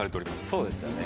そうですよね。